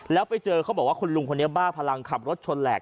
แล้วไปเจอเขาบอกว่าคุณลุงคนนี้บ้าพลังขับรถชนแหลก